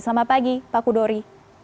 selamat pagi pak kudori